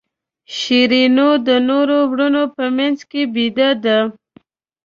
شیرینو د نورو وروڼو په منځ کې بېده ده.